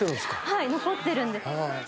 はい残ってるんです。